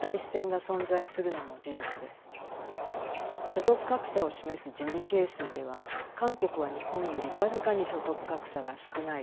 所得格差を示すジニ係数では韓国は日本より僅かに所得格差が少ない状態です。